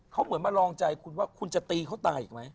เขาเหมือนมาลองใจคุณว่าคุณจะตีเขาตายอีกไหม